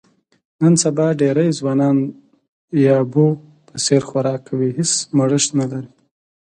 نن سبا ډېری ځوانان د یابو په څیر خوراک کوي، هېڅ مړښت نه لري.